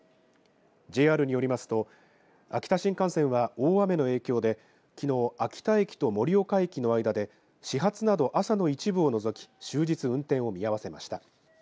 ＪＲによりますと秋田新幹線は大雨の影響できのう、秋田駅と盛岡駅の間で始発など朝の一部を除き終日運転を見合わせました。